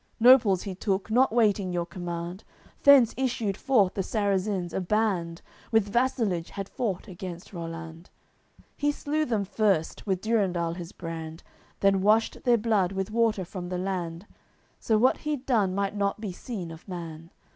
Noples he took, not waiting your command; Thence issued forth the Sarrazins, a band With vassalage had fought against Rollant; A He slew them first, with Durendal his brand, Then washed their blood with water from the land; So what he'd done might not be seen of man.